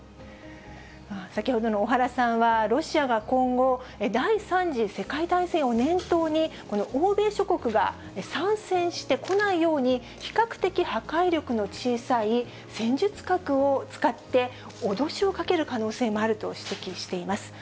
先ほどの小原さんは、ロシアは今後、第３次世界大戦を念頭に、この欧米諸国が参戦してこないように、比較的破壊力の小さい戦術核を使って、脅しをかける可能性もあると指摘しています。